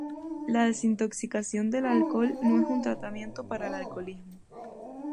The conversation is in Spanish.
La desintoxicación del alcohol no es un tratamiento para el alcoholismo.